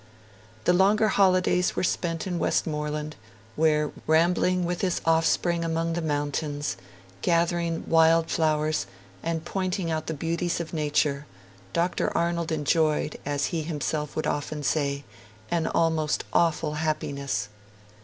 The longer holidays were spent in Westmorland, where, rambling with his offspring among the mountains, gathering wild flowers, and pointing out the beauties of Nature, Dr. Arnold enjoyed, as he himself would often say, 'an almost awful happiness'.